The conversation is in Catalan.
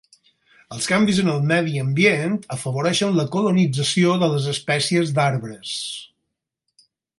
Els canvis en el medi ambient afavoreixen la colonització de les espècies d'arbres.